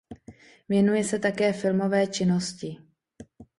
Věnuje se také filmové činnosti.